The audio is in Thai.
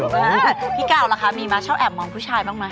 มีค่ะพี่ก่าวล่ะค้ะมีมาค่ะชอบแอบมองผู้ชายบ้างไหม